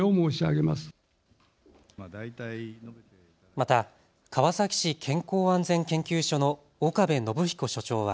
また川崎市健康安全研究所の岡部信彦所長は。